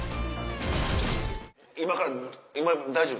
今から今大丈夫？